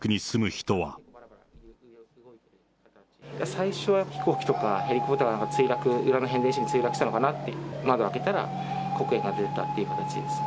最初は飛行機とか、ヘリコプターが墜落、裏の変電所に墜落したのかなって、窓開けたら、黒煙が出てたっていう形ですね。